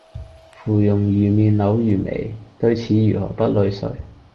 芙蓉如面柳如眉，對此如何不淚垂！